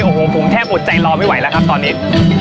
โอ้โหผมแทบอดใจรอไม่ไหวแล้วครับตอนนี้